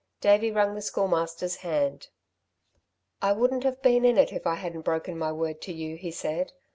Davey wrung the Schoolmaster's hand. "I wouldn't have been in it, if I hadn't broken my word to you," he said.